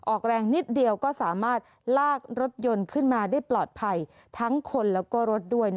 ออกแรงนิดเดียวก็สามารถลากรถยนต์ขึ้นมาได้ปลอดภัยทั้งคนแล้วก็รถด้วย